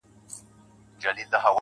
o خدايه هغه داسي نه وه.